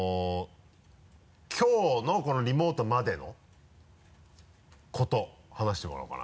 きょうのこのリモートまでのこと話してもらおうかな。